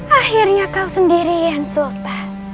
akhirnya kau sendirian sultan